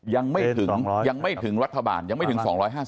ยังไม่ถึงรัฐบาลยังไม่ถึง๒๕๐